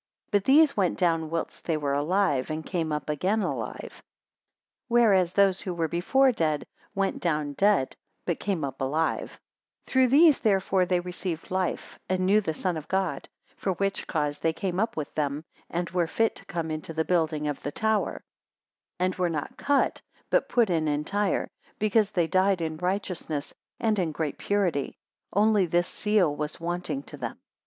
But these went down whilst they were alive, and came up again alive: whereas those who were before dead, went down dead, but came up alive; 159 Through these therefore they received life, and knew the Son of God: for which cause they came up with them, and were fit to come into the building of the tower; and were not cut, but put in entire; because they died in righteousness, and in great purity; only this seal was wanting to them.